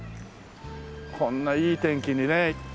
こんないい天気にね。